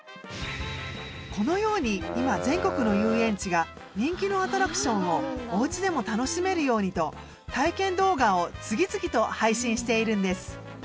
このように今全国の遊園地が人気のアトラクションをおうちでも楽しめるようにと体験動画を次々と配信しているんです。